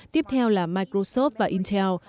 tiếp theo là microsoft và intel